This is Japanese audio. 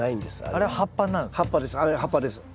あれは葉っぱです。